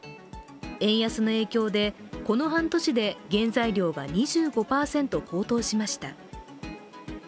円安の影響でこの半年で原材料が２５％高騰しました。